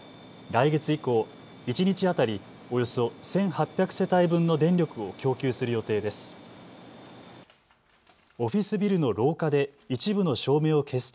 来月以降、一日当たりおよそ１８００世帯分の電力を供給する予定です。